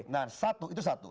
nah satu itu satu